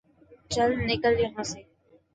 چل نکل یہا سے ـ